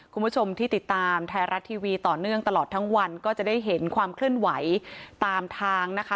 คุณผู้ชมที่ติดตามไทยรัฐทีวีต่อเนื่องตลอดทั้งวันก็จะได้เห็นความเคลื่อนไหวตามทางนะคะ